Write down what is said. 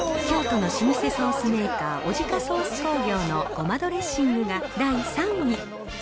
京都の老舗ソースメーカー、オジカソース工業の胡麻ドレッシングが第３位。